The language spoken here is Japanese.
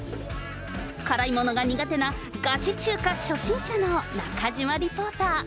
辛いものが苦手なガチ中華初心者の中島リポーター。